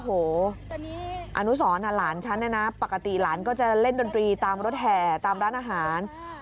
โอ้โหอนุสรหลานฉันเนี่ยนะปกติหลานก็จะเล่นดนตรีตามรถแห่ตามร้านอาหาร